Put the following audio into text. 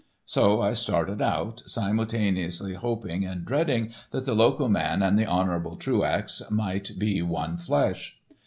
So I started out, simultaneously hoping and dreading that the loco man and the honourable Truax might be one flesh.